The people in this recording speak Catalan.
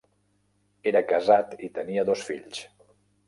Era casat i tenia dos fills.